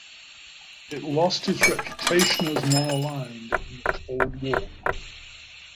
It lost its reputation as nonaligned in the Cold War.